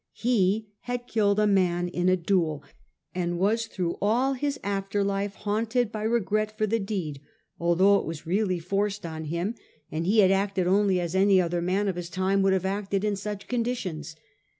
He had killed a man in a duel, and was through all his after life haunted by regret for the deed, although it was really forced 302 A HISTORY OF OTJR OWN TIMES. cn. xii. on him, and he had acted only as any other man of his time would have acted in such conditions.